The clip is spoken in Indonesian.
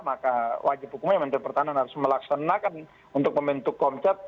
maka wajib hukumnya menteri pertahanan harus melaksanakan untuk membentuk komcat